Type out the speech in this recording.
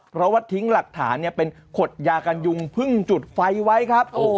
เพราะว่าทิ้งหลักฐานเป็นขดยากันยุงพึ่งจุดไฟไว้ครับ